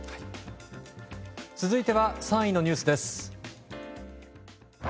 続いては３位のニュースです。